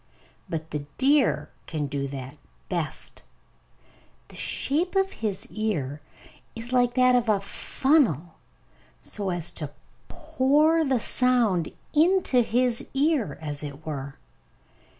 But the deer can do that best. The shape of his ear is like that of a funnel, so as to pour the sound into his ear, as it were.